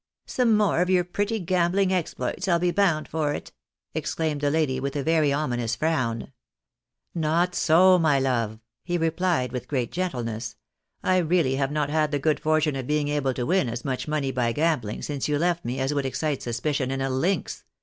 " Some more of your pretty gambling exploits, I'll be bound for it," exclaimed the lady, with a very ominous frown. " Not so, my love," he replied, with great gentleness ; "I really have not had the good fortune of being able to win as much money by gambling since you left me as would excite suspicion in a lynx.